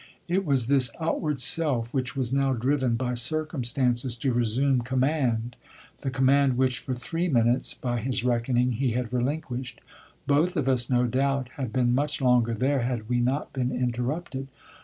It was this outward self which was now driven by circumstances to resume command the command which for "three minutes" by his reckoning he had relinquished. Both of us, no doubt, had been much longer there had we not been interrupted.